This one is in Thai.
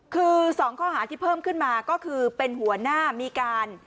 คือ๒ข้อหาที่เพิ่มขึ้นมาก็คือเป็นหัวหน้ามีการ